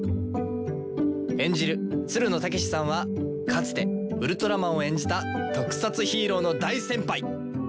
演じるつるの剛士さんはかつてウルトラマンを演じた特撮ヒーローの大先輩！